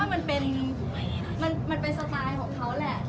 มันเป็นสไตล์ของเขาคนของเขาเหมือนสบาย